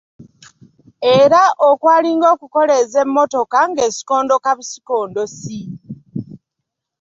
Era okwalinga okukoleeza emmotoka ng’esikondoka busikondosi.